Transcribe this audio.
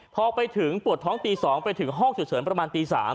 พอไปถึงปวดท้องตี๒ไปถึงห้องฉุกเฉินประมาณตี๓